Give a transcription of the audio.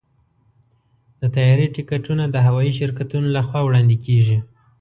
د طیارې ټکټونه د هوايي شرکتونو لخوا وړاندې کېږي.